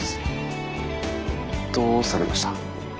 どうされました？